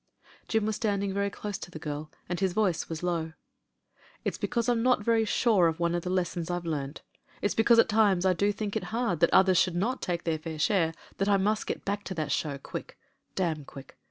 Jim was standing very dose to the girl, and his voice was low. "It's because I'm not very sure of one of the lessons I've learnt: it's because at times I do think it hard thlt others should not take their fair share that I must get back to that show quick — damn quick.